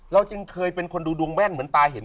จึงเคยเป็นคนดูดวงแม่นเหมือนตาเห็น